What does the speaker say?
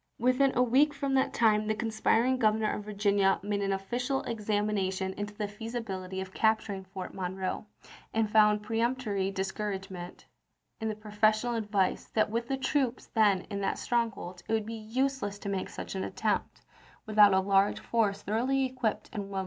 Within a week from that time the conspiring Governor of Virginia made an official examination into the feasibility of capturing Fort Monroe, and found peremptory discouragement in the professional ad vice that with the troops then in that stronghold it would be useless to make such an attempt " with THE "STAB OF THE WEST" 95 Col. James out a large force thoroughly equipped and well chap.